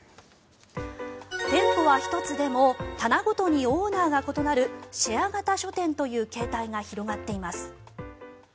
店舗は１つでも棚ごとにオーナーが異なるシェア型書店という形態が広がっています。